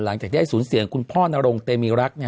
หลังจากได้สูญเสียคุณพ่อนรงเตมีรัก